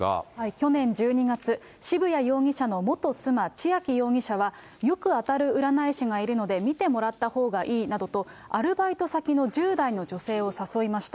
去年１２月、渋谷容疑者の元妻、千秋容疑者は、よく当たる占い師がいるので、見てもらったほうがいいなどと、アルバイト先の１０代の女性を誘いました。